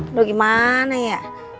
aduh gimana ya